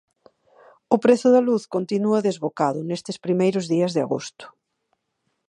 O prezo da luz continúa desbocado nestes primeiros días de agosto.